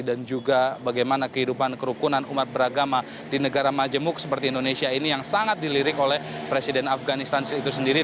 dan juga bagaimana kehidupan kerukunan umat beragama di negara majemuk seperti indonesia ini yang sangat dilirik oleh presiden afganistan itu sendiri